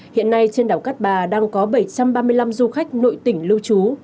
hiện nay trên đảo cát bà đang có bảy trăm ba mươi năm du khách nội tỉnh lưu trú